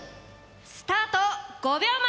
スタート５秒前！